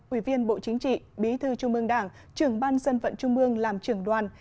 ủy viên bộ chính trị bí thư trung ương đảng trưởng ban dân vận trung mương làm trưởng đoàn